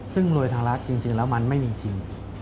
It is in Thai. ซึ่งรวยทางรัฐจริงแล้วมันไม่มีจริง